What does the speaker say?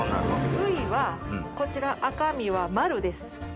部位はこちら赤身はマルです。